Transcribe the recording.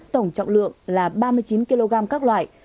tổng trọng lượng là ba mươi chín kg các loại